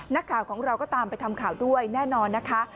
นักข่าวของเราก็ตามไปทำข่าวด้วยแน่นอนนะคะ